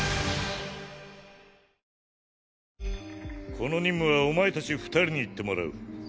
この任務はお前たち二人に行ってもらう。